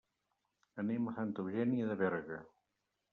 Anem a Santa Eugènia de Berga.